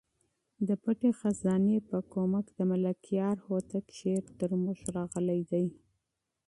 د پټې خزانې په مرسته د ملکیار هوتک شعر تر موږ راغلی دی.